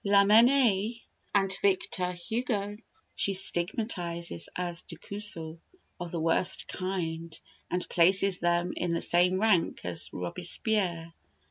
Lamennais and Victor Hugo she stigmatizes as décousus of the worst kind, and places them in the same rank as Robespierre.